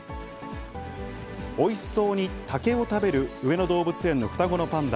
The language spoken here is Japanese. おいしそうに竹を食べる上野動物園の双子のパンダ。